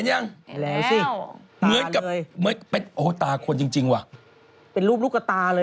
ทั้งล่างนั่งอยู่ตา